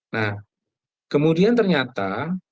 nah kemudian ternyata